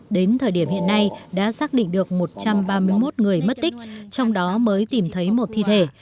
đến thời điểm hiện nay đã xác định được một trăm ba mươi một người mất tích trong đó mới tìm thấy một thi thể